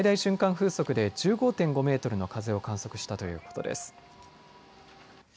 風速で１５．５メートルの風を観測したということです。